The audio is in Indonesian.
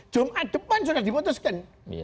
jumat depan sudah dimutuskan